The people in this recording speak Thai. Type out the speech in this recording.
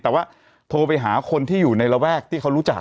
แต่ว่าโทรไปหาคนที่อยู่ในระแวกที่เขารู้จัก